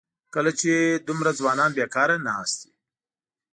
دلته چې دومره ځوانان بېکاره ناست وي.